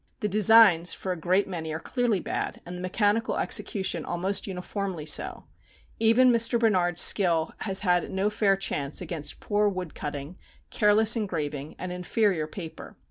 The designs for a great many are clearly bad, and the mechanical execution almost uniformly so. Even Mr. Barnard's skill has had no fair chance against poor woodcutting, careless engraving, and inferior paper.